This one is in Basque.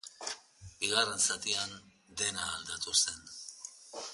Bigarren zatian dena aldatu zen.